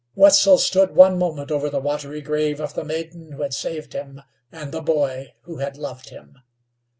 Wetzel stood one moment over the watery grave of the maiden who had saved him, and the boy who had loved him.